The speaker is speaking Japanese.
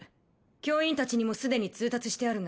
教員達にも既に通達してあるが